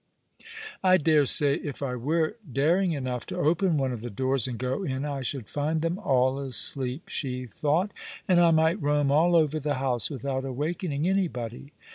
" I dare say if I were daring enough to open one of the doors and go in I should find them all asleep," she thought, *'and I might roam all over the house without awakening anybody."